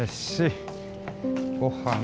ごはん。